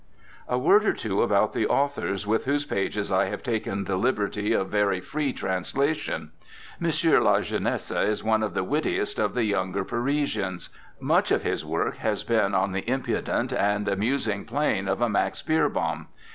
^ A word or two about the authors with whose pages I have taken the liberty of 21 RECOLLECTIONS OF OSCAR WILDE very free translation. M. La Jeunesse is one of the wittiest of the younger Pari sians. Much of his work has been on the impudent and amusing plane of a Max Beerbohm.